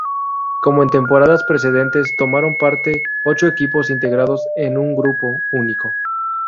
Como en temporadas precedentes, tomaron parte ocho equipos, integrados en un grupo único.